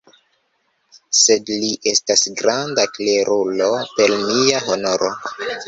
Sed li estas granda klerulo, per mia honoro!